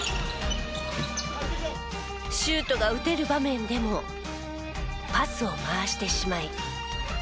シュートが打てる場面でもパスを回してしまい。